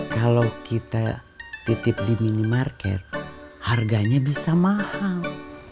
kalau kita titip di minimarket harganya bisa mahal